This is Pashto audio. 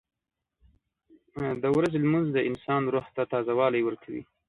• د ورځې لمونځ د انسان روح ته تازهوالی ورکوي.